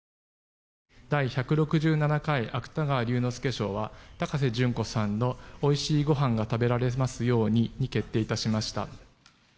第１６７回芥川龍之介賞は高瀬隼子さんの「おいしいごはんが食べられますように」に決定致しました。